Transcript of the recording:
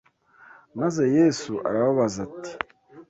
Maze Yesu arababaza ati